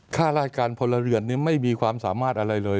ข้าราชการพลเรือนไม่มีความสามารถอะไรเลย